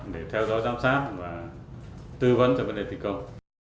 để theo dõi giám sát và tư vấn về vấn đề tình cầu